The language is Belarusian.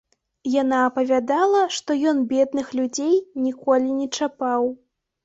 Яна апавядала, што ён бедных людзей ніколі не чапаў.